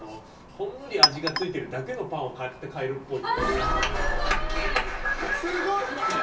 ほんのり味がついてるだけのパンを買って帰るっぽい。